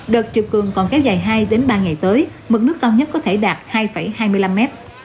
đợt chiều cường còn kéo dài hai ba ngày tới mực nước cao nhất có thể đạt hai hai mươi năm mét